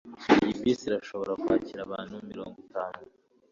Iyi bisi irashobora kwakira abantu mirongo itanu